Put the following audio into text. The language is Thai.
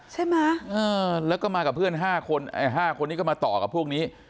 ใช่ไหมแล้วก็มากับเพื่อน๕คน๕คนนี้ก็มาต่อกับพวกนี้